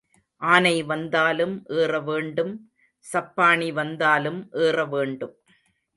ஆனை வந்தாலும் ஏற வேண்டும் சப்பாணி வந்தாலும் ஏற வேண்டும்.